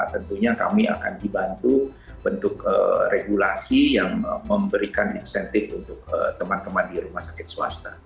tentunya kami akan dibantu bentuk regulasi yang memberikan insentif untuk teman teman di rumah sakit swasta